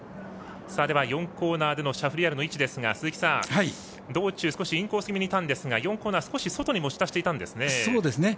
では４コーナーでのシャフリヤールの位置ですが鈴木さん、道中、少しインコース気味にいたんですが４コーナー、少し外に持ち出していたんですね。